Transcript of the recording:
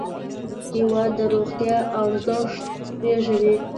هېواد د روغتیا ارزښت پېژني.